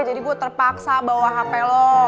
jadi gue terpaksa bawa hape lo